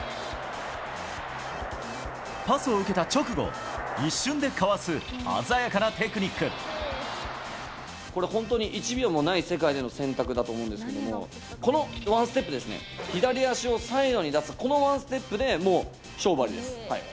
パスを受けた直後、これ、本当に１秒もない世界での選択だと思うんですけれども、このワンステップですね、左足をサイドに出すこのワンステップで、もう勝負ありです。